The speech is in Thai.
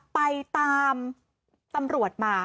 ไปตามตำรวจมา